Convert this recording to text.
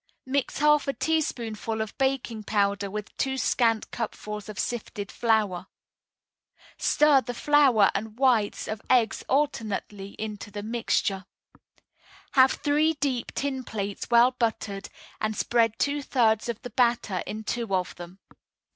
Mix half a teaspoonful of baking powder with two scant cupfuls of sifted flour. Stir the flour and whites of eggs alternately into the mixture. Have three deep tin plates well buttered, and spread two thirds of the batter in two of them.